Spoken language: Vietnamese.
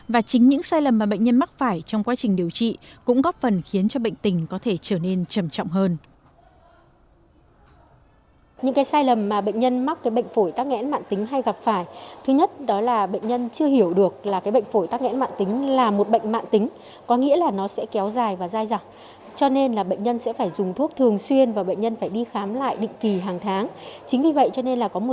và chính những sai lầm mà bệnh nhân mắc phải trong quá trình điều trị cũng góp phần khiến cho bệnh tình có thể trở nên trầm trọng hơn